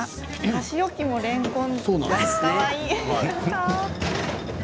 箸置きもれんこん。